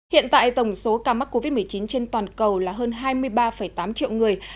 hiện tại tổng số ca mắc covid một mươi chín trên toàn cầu là hơn hai mươi ba tám triệu người